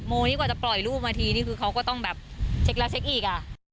โมงนี้กว่าจะปล่อยรูปมาทีนี่คือเขาก็ต้องแบบเช็คแล้วเช็คอีกอ่ะ